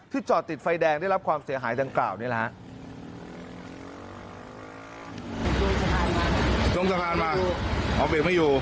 ที่จอดติดไฟแดงได้รับความเสียหายทั้งกล่าวนี่นะครับ